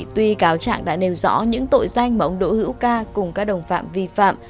tuy cáo trạng đã nêu rõ những tội danh mà ông đỗ hữu ca cùng các đồng phạm vi phạm